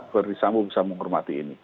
beri sambu bisa menghormati ini